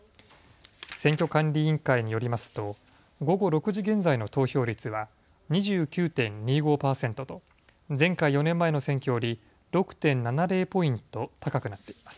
選挙管理委員会によりますと午後６時現在の投票率は２９．２５％と前回４年前の選挙より６．７０ポイント高くなっています。